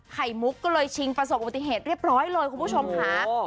ไข่มุกก็เลยชิงประสบอุบัติเหตุเรียบร้อยเลยคุณผู้ชมค่ะ